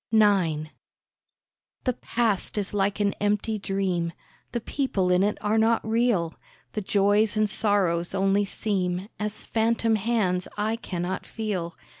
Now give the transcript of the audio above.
IX The past is like an empty dream; The people in it are not real; The joys and sorrows only seem As phantom hands I cannot feel.